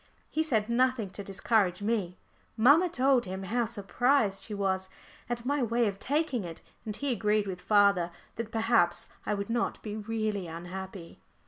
He said nothing to discourage me. Mamma told him how surprised she was at my way of taking it, and he agreed with father that perhaps I would not be really unhappy.